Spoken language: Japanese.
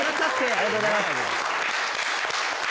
・ありがとうございます